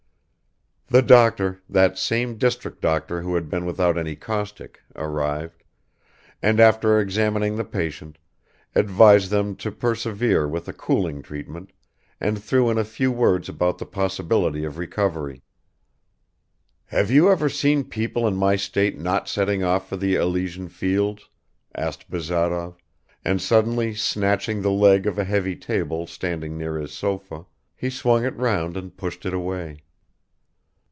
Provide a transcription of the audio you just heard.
The doctor, that same district doctor who had been without any caustic, arrived, and after examining the patient, advised them to persevere with a cooling treatment and threw in a few words about the possibility of recovery. "Have you ever seen people in my state not setting off for the Elysian fields?" asked Bazarov, and suddenly snatching the leg of a heavy table standing near his sofa, he swung it round and pushed it away.